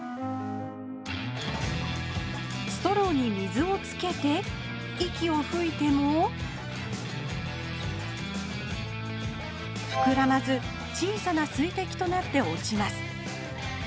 ストローに水をつけて息をふいてもふくらまず小さな水滴となって落ちます